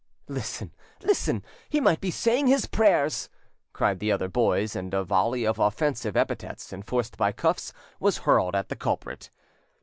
"Listen, listen! he might be saying his prayers!" cried the other boys; and a volley of offensive epithets, enforced by cuffs, was hurled at the culprit.